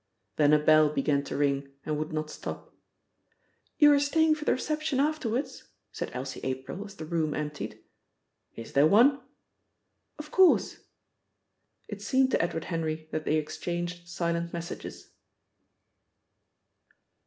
Then a bell began to ring and would not stop. "You're staying for the reception afterwards?" said Elsie April as the room emptied. "Is there one?" "Of course." It seemed to Edward Henry that they exchanged silent messages.